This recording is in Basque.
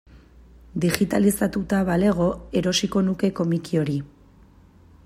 Digitalizatuta balego erosiko nuke komiki hori.